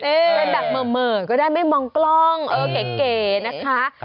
เป็นดับเมอร์ก็ได้ไม่มองกล้องเก๋นะคะ